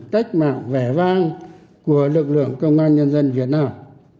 cách mạng vẻ vang của lực lượng công an nhân dân việt nam